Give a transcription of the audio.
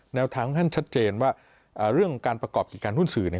แนวทางท่านชัดเจนว่าเรื่องการประกอบกิจการหุ้นสื่อ